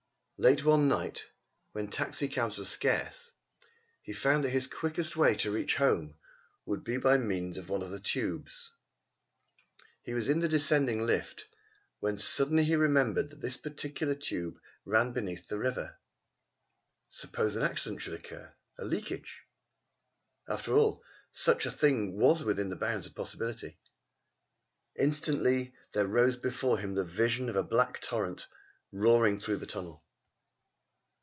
Late one night, when taxi cabs were scarce, he found that his quickest way to reach home would be by means of one of the tubes. He was in the descending lift when he suddenly remembered that that particular tube ran beneath the river. Suppose an accident should occur a leakage! After all such a thing was within the bounds of possibility. Instantly there rose before him the vision of a black torrent roaring through the tunnel.